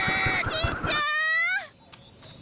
しんちゃーん！